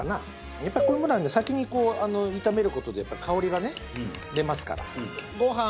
やっぱりこういうものはね先にこう炒める事で香りがね出ますから。